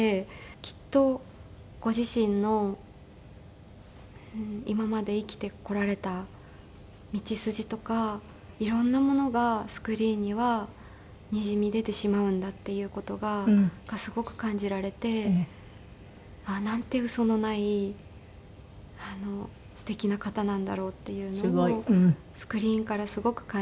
きっとご自身の今まで生きてこられた道筋とか色んなものがスクリーンにはにじみ出てしまうんだっていう事がすごく感じられて。なんてウソのないすてきな方なんだろうっていうのをスクリーンからすごく感じて。